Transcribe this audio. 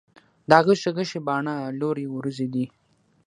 دا غشي غشي باڼه، لورې وروځې دي